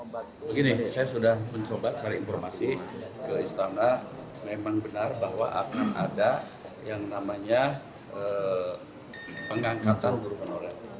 begini saya sudah mencoba cari informasi ke istana memang benar bahwa akan ada yang namanya pengangkatan guru honorer